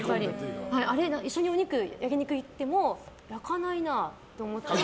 一緒に焼き肉行っても焼かないなと思ったり。